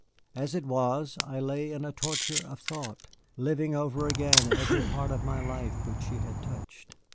As it was, I lay in a torture of thought, living over again every part of my life which she had touched.